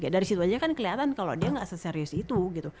dari situ aja kan keliatan kalo dia gak seserius itu gitu